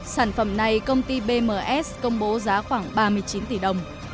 sản phẩm này công ty bms công bố giá khoảng ba mươi chín tỷ đồng